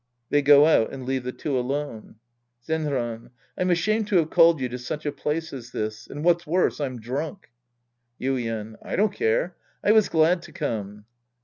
(They go out and leave the two alone.') Zenran. I'm ashamed to have called you to such a place as tliis. And what's worse, I'm drunk. Yuien. I don't care. I was glad to come.